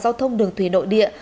giao thông đường thủy nội địa